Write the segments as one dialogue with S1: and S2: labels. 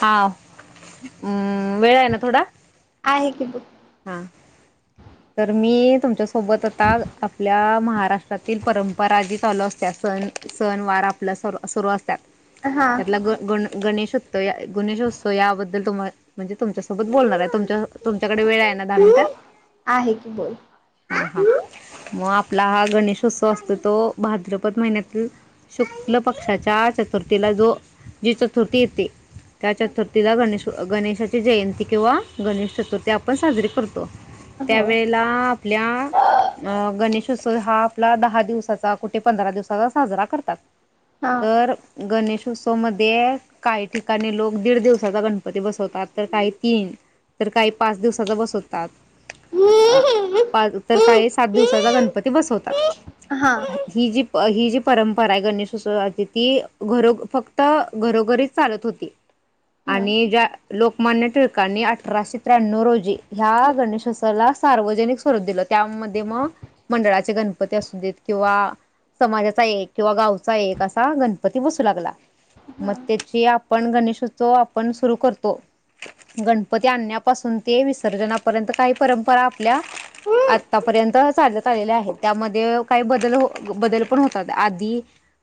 S1: हां-अं वेळ आहे ना थोडा?
S2: आहे की बुक
S1: हां तर मी तुमच्या सोबत आता आपल्या महाराष्ट्रातील परंपरा जी चालू असत्या सण- सणवार आपला सुरू असत- त्यात
S2: हा
S1: त्यातला गं गण-गणेश तर या गणेशोत्सव याबद्दल तुम्हा म्हणजे तुमच्यासोबत बोलणार हाय. तुमच्या तुमच्याकडे वेळ आहे ना दहा
S2: हम्म
S1: मिनिटां-
S2: आहे की बोल.
S1: मग आपला हा गणेशोत्सव असतो तो भाद्रपद महिन्यातील शुक्ल पक्षाच्या चतुर्थीला जो जी चतुर्थी येते त्या चतुर्थीला गणेश गणेशाची जयंती किंवा गणेश चतुर्थी आपण साजरी- करतो.
S2: हो
S1: त्यावेेळेला आपल्या अं गणेशोत्सव हा आपला दहा दिवसाचा कुठे पंधरा दिवसाचा साजरा करतात.
S2: हा हा
S1: तर गणेशोत्सवमध्ये काही ठिकाणी लोक दीड दिवसाचा गणपती बसवतात, तर काही तीन तर काही पाच दिवसाचा बसव तात आं अं पाच तर काही सात दिवसाचा गणपती बसवतात. ही जी ही जी परंपरा आहे गणेशोत्सवाची ती घरो फक्त घरोघरीच चालत होती
S2: हा
S1: आणि ज्या लोकमान्य टिळकांनी अठराशे त्र्याणव रोजी ह्या गणेशोत्सवाला सार्वजनिक स्वरूप दिलं. त्यामध्ये मग, मंडळाचे गणपती असू देत किंवा समाजाचा एक किंवा गावचा एक असा गणपती बसू लागला. मग त्याची पण गणेशोत्सव आपण सुरू करतो, गणपती आणण्यापासून ते विस- पर्यंत काही परंपरा आपल्या आतापर्यंत चालत आलेल्या आहेत. त्यामध्ये काही बदल बदल पण होतात. आधी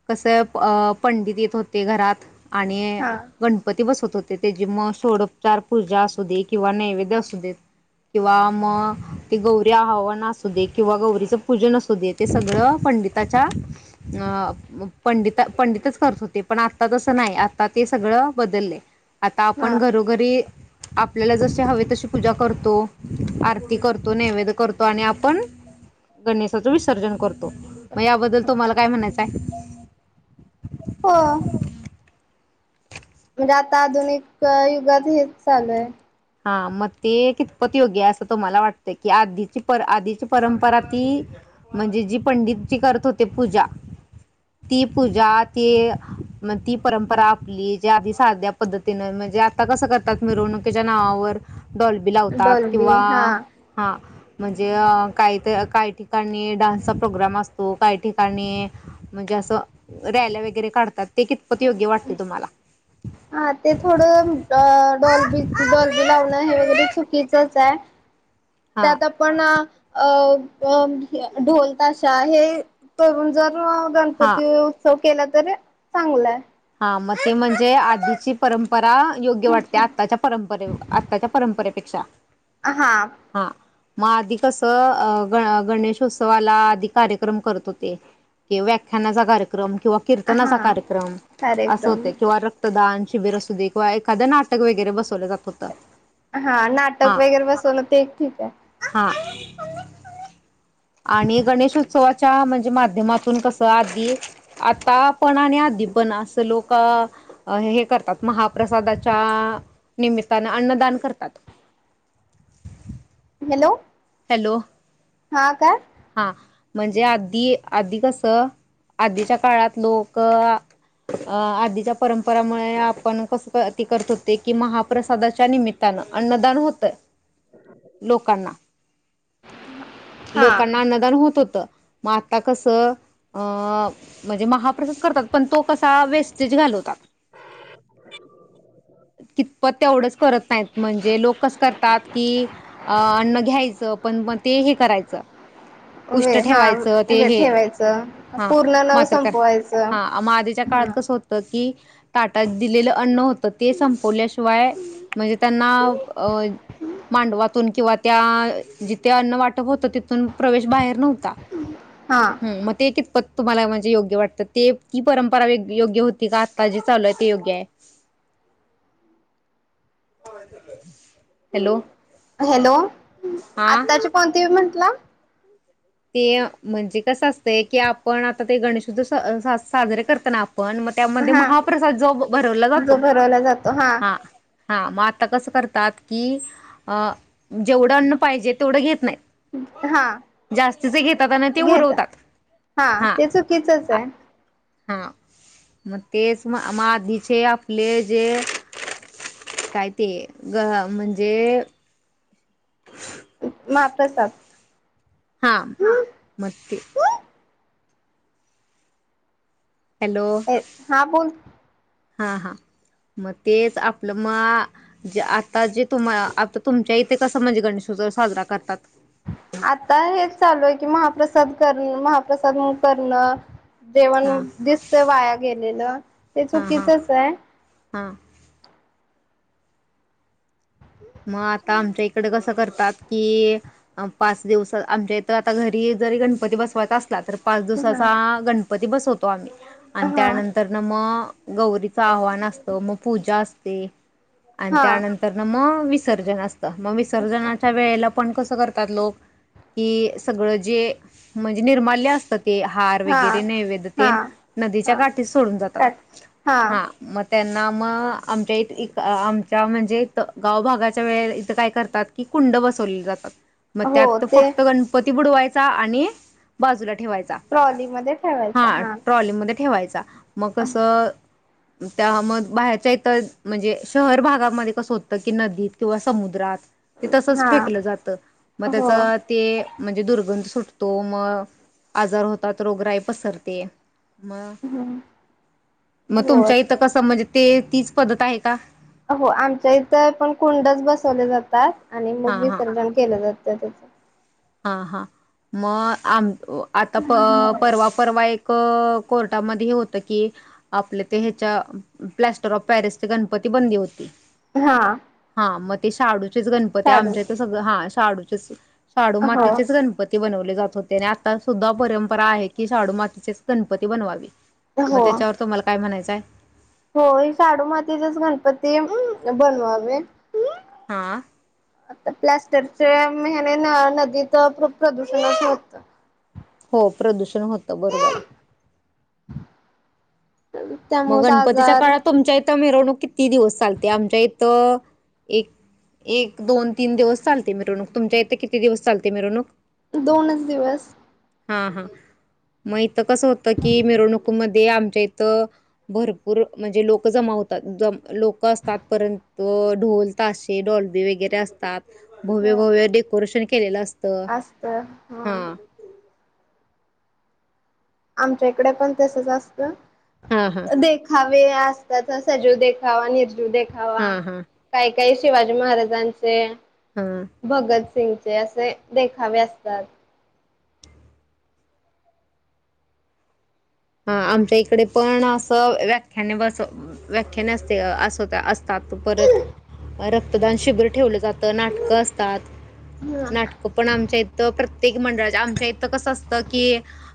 S1: कसं अं पंडित येत होते घरात आणि
S2: हा
S1: गणपती बसत होत ते त्याची मग सोडोपचार पूजा असू दे किंवा नैवेद्य असू देत किंवा मग ते गौरी आवाहन असू दे किंवा गौरीचं पूजन असू दे ते सगळं पंडिताच्या अं पंडिता पंडितच करत होते. पण आता तसं नाही आता ते सगळं बदललंय. आता
S2: हा
S1: आपण घरोघरी आपल्याला जसे हवे तशी पूजा करतो, आरती करतो, नैवेद करतो आणि आपण गणेशाचं विसर्जन करतो. मग याबद्दल तुम्हाला काय म्हणायचं हाय?
S2: हो
S1: [inaudible]
S2: म्हणजे आता आधुनिक युगात हेच चालू हाय.
S1: हा मग ते कितपत योग्य आहे असं तुम्हाला वाटतं, की आधीची पर आधीची परंपरा ती म्हणजे जी पंडित जी करत होते पूजा ती पूजा, ती मग ती परंपरा आपली जे आधी साध्या पद्धतीनं म्हणजे आता कसं करतात मिरवणुकीत- त्या नावावर डॉलबी लावतात
S2: डॉल्बी
S1: किंवा
S2: हा
S1: हा- म्हणजे काही तर काही ठिकाणी डान्सचा प्रोग्राम असतो, काही ठिकाणी म्हणजे असं रॅल्या वगैरे काढतात. ते कितपत योग्य वाटते तुम्हाला?
S2: हा ते थोडं डॉल्बी डॉल्बी लावणं हे वगैरे चुकीचच आहे.
S1: हां
S2: त्यात आपण अ अ अं ढोल, ताशा हे करून जर अं
S1: हां
S2: गणपती उत्सव केलं तरी चांगलं हाय.
S1: ह मग ते म्हणजे आधीची परंप परा योग्य वाटते, आत्ताच्या परंपरे आत्ताच्या परंपरे पेक्षा
S2: हा.
S1: मग आधी कसं ग गणेशोत्सवाला आधी कार्यक्रम करत होते. ते व्याख्यानाचा कार्यक्रम किंवा कीर्तनाचा
S2: हा
S1: कार्यक्रम असं
S2: कार्यक्रम
S1: होत किंवा रक्त दान, शिबीर असुदे किंवा एखादं नाटक वगैरे बसवलं जात. होतं.
S2: हा नाटक
S1: हा
S2: वगैरे बसवणं ते एक ठीक आहे.
S1: [inaudible] आणि गणेशोत्सवा त्या म्हणजे माध्यमातून कस आदी आता पण आणि आदी पण असं लोक हे करतात महाप्रसादाच्या निमित्ताने अन्नदान करतात.
S2: हॅलो
S1: हॅलो,
S2: हा काय
S1: हा. म्हणजे आधी आधी कसं आधीच्या काळात लोक अं आधीच्या परंपरामुळे आपण कस ते करत होते कि महाप्रसादाच्या निमित्तानं अन्नदान होतय लोकांना.
S2: हा
S1: लोकांना अन्नदान होत होतं. मग आता कसं अ म्हणजे महाप्रसाद करतात, पण तो कसा वेस्टेज घालवतात‌. कितपत तेवढंच करत नाही म्हणजे लोक कस करतात की अ अन्न घ्याय पण मग ते हे करायचं
S2: वे
S1: उष्ट
S2: हा
S1: ठेवायचं ते हे
S2: ठेवायचं
S1: हा
S2: पूर्ण न
S1: मात्र काय
S2: संपवायचं
S1: हा मग आधीच्या काळात
S2: हा.
S1: कसं होतं की ताटात दिलेलं अन्न हो तर ते संपवल्याशिवाय म्हणजे त्यांना अ मांडवातून किंवा त्या जिते अन्न वाट होत तिथून प्रवेश बाहेर नव्हता.
S2: हा
S1: हं मग ते कितपत तुम्हाला म्हणजे योग्य वाटतं? ते की परंपरा योग्य होती का आता जी चालू आहे ते योग्य आहे? Hello
S2: hello.
S1: हा
S2: आत्ताची कोणती बी म्हण. ला
S1: ते म्हणजे कसं असतंय, की आपण आता ते गणेश उत्सव स साजरे करता आप पण मग त्यामध्ये
S2: हा
S1: महाप्रसाद जो भरवला जातो
S2: जो भरवला जातो
S1: हा हा मग आता कसं करतात, की अ जेवढं अन्न पाहिजे तेवढं घेत नाहीत.
S2: हा
S1: जास्तीचे घेतात आणि ते
S2: घेत
S1: उरवतात. हा.
S2: ते चुकीचच आहे
S1: हा मग तेच मग आधीचे आपले जे काय ते ग म्हणजे
S2: महाप्रसाद
S1: हा मग ते
S2: ये हा बोल.
S1: हा, हा मग तेच आपलं मग जे आता जे तुम्हा आता तुमच्या इथे कसं म्हणजे गणेशोत्सव साजरा करतात?
S2: आता हेच चालूये की महाप्रसाद कर महाप्रसाद म करणं जेवण
S1: हा
S2: दिसतं वाया गेलेलं ते चुकीचचे.
S1: हां! मग आता आमच्या कडे कसं करतात की पाच दिवस आमच्या इथं आता घरी जरी गणपती बसवायचा असला तर पाच
S2: हा
S1: दिवसाचा गणपती बसवत तो
S2: हा
S1: आणि
S2: हा
S1: त्यानंतर न मग गौरीचं आव्हान असतं, मग पूजा असते आणि
S2: हा
S1: त्यानंतर न मग विसर्जन अस मग विसर्जनाच्या वेळेला पण कसं कसं करतात लोक की सगळं जे म्हणजे निर्माल्य असतात ते हार वगैरे नैवेद
S2: हा
S1: नदीच्या
S2: हा
S1: काठी सोडून जातात
S2: का
S1: हा म त्यांना मग आमच्या इथं इ आमच्या म्हणजे इथ गाव भागाच्या वेळेला इथं काय करतात की कुंड बसवली जातात. मग
S2: हो
S1: त्यात
S2: ते
S1: फक्त गणपती बुडवाय चा आणि बाजूला ठेवायचा.
S2: ट्रॉलीमध्ये ठेवायचं
S1: हा ट्रॉलीमध्ये ठे ठेवायचा. म कसं त्या मग बाहेरच्या इथं म्हणजे शहर भागामध्ये कसं होत की नदीत किंवा समुद्रात ते तसच
S2: हा
S1: फेकलं जातं मग
S2: हो
S1: त्याचा ते म्हणजे दुर्गंध सुटतो तो मग आजार होतात रोगराई पसरते. मग मग तुमच्या
S2: हो
S1: इथं कसं म्हणजे ते तीच पद्धत आहे का?
S2: हो आमच्या इथं पण कुंडच बसवले जातात. आणि
S1: हा
S2: मग विसर्जन केलं जातं. तसंच
S1: हा-हां मग आम आता परवा परवा एक क कोर्टामध्ये हे होत की आपले ते ह्यच्या प्लॅस्टर ऑफ पॅरिस चे गणपती बंदी होती.
S2: हा!
S1: हा मग ते शाडूचं तेच गणपती आमच्या
S2: शाडूच
S1: इथ सगळं हा. शाडूचेंस शाडू
S2: हो
S1: मातीचेच गणपती बनवले जात होते. आणि आता सुद्धा परंपरा आहे. की शाडू मातीचेच गणपती बनवावे. मग
S2: हो
S1: त्याच्यावर तुम्हाला काय म्हणायचंय
S2: होय शाडू मातीचेच गणपती बनवावे.
S1: हा
S2: आता प्लास् तर ते ह्याने न नदीच खूप प्रदूषणच होत.
S1: हो प्रदूषण होतं बरोबर आहे. मग
S2: त्यामुळेच
S1: गणपतीच्या
S2: आजार
S1: काळात तुमच्या इथं मिरवणूक कि किती दिवस चालते? आमच्या इथं एक एक दोन तीन दिवस चालते मिरवणूक तुमच्या इथं किती दिवस चालते मिरवणूक?
S2: दोनच दिवस
S1: हा हा मग इथं कस होतं की मिरवणुकीमध्ये आमच्या इथं भरपूर म्हणजे लोक जमा होतात लोक असतात परंत ढोल ताशे डॉल्ब वगैरे असतात. भव्य
S2: ह
S1: भव्य डेकोरेशन केलेल अस
S2: असत हा आमच्या इकडे पण तसच असत.
S1: हां हां
S2: देखाव वे असततात सजीव देखावा निर् देखावा
S1: हां हां
S2: काय काही शिवाजी महाराजांचे
S1: हां
S2: भगत सिंग ते असे देखावे असतात.
S1: हा आमच्या इकडे पण असं व्याख्याने बसव व्याख्याने असते असवता असतात परत रक्तदान शिबिर ठेवलं जातं. नाटकं असतात नाटकं पण आमच्या इथं प्रत्येक मंडळाच्या आमच्या इथं कसं असतं की,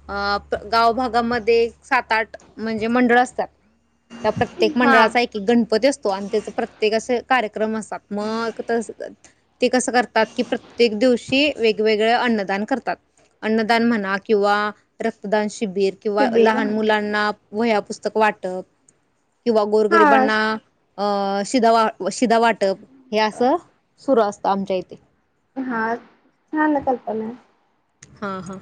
S1: अ गावभागामध् ते सात आठ म्हणजे मंडळ असतात त्या प्रत्येक
S2: हा
S1: मंडळाचा एक गणपती असतो आणि त्याच प्रत्येक असं कार्यक्रम असतात मग त ते कसं करतात की प्रत्येक दिवशी वेगवेगळे अन्नदान करतात. अन्नदान म्हणा किंवा रक्तदान शिबिर किंवा
S2: शिबिर
S1: लहान मुलांना वह्या पुस्तकं वाटप किंवा
S2: हा
S1: गोरगरिबांना अ अ शिधा वा शिदा वाट वाटप हे असं सुरू अस आमच्याहिते
S2: हा छान कल्पना हाय
S1: हा हा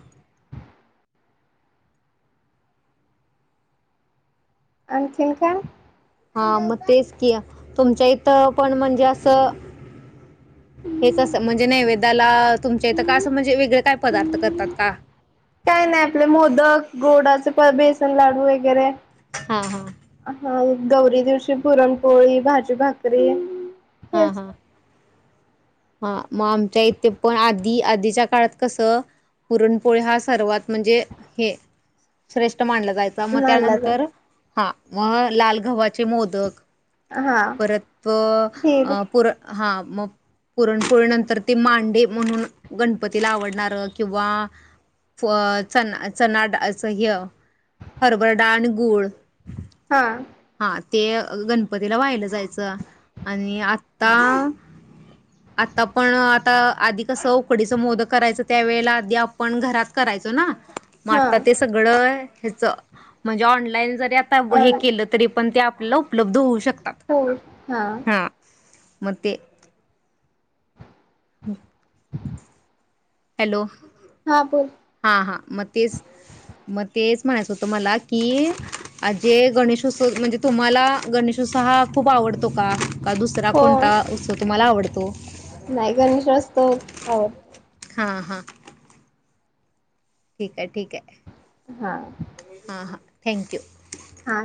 S2: आणखीन काय?
S1: हा मग तेच कि तुमच्या इथं पण म्हणजे असं हेच म्हणजे नैवेद्याला तुमच्या इथं का असं म्हणजे वेगळे काय पदार्थ करतात का?
S2: काय नाही आपले मोदक, गोडाचे बेसन लाडू वगैरे
S1: हा हा
S2: हा गौरी दिवशी पुरणपोळी भाजी भाकरी
S1: हा
S2: हेच
S1: हा. हा मग आमच्या इथे पण आधी आधीच्या काळात कस पुरणपोळी हा सर्वात म्हणजे हे श्रेष्ठ मानला जायच मग
S2: मानला जा
S1: त्यानंतर हा मग लाल गव्हाचे मोदक
S2: हा
S1: परत
S2: खीर
S1: पुर हा मग. पुरणपोळी नंतर ते मांडे म्हणून गणपतीला आवडणार किंवा चना चनाड हे हरभर डाण गूळ
S2: हा
S1: हां, ते गणपतीला व्हाइट जायचं आणि आता आता पण आता आधी कसं उकडीचं मोदकं करायचं त्या वेळेला आधी आपण घरात करायचो ना? म
S2: हा
S1: आता ते सगळं हेचं म्हणजे ऑनलाईन ज आता
S2: अ
S1: हे केलं तरी पण ते आ उपलब्ध होऊ शक
S2: होय हा
S1: म ते हम हॅलो
S2: हा बोल
S1: हा हा मग तेच मग तेच म्हणायचं होतं मला की जे गणेशोत्सव म्हणजे तुम्हाला गणेशोत्सव हा खूप आवड का दुसरा
S2: हो
S1: कोणता तुम्हाला आवड तो
S2: नाही गणेश उत्सव आवडतो.
S1: हां हां ठीक आहे ठीक आहे.
S2: हा
S1: हा हा थँक्यू.
S2: हा